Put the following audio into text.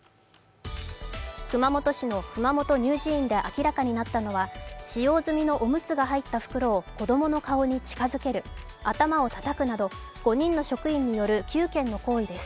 熊本市の熊本乳児院で明らかになったのは使用済みのおむつが入った袋を子供の顔に近づける頭をたたくなど、５人の職員による９件の行為です。